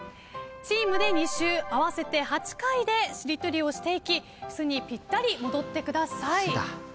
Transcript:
チームで２周合わせて８回でしりとりをしていき「つ」にぴったり戻ってください。